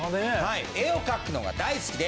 絵を描くのが大好きで。